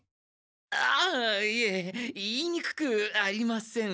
あっいえ言いにくくありません。